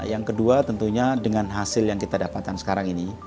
yang kedua tentunya dengan hasil yang kita dapatkan sekarang ini